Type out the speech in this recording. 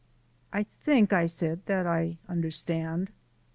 "I think," said I, "that I understand."